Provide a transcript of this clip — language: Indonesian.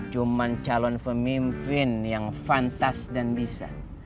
cuma calon pemimpin yang fantas dan bisa